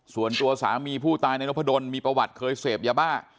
ส่วนตัวสามีผู้ตายในนพดลมีประวัติเคยเสพยาบ้า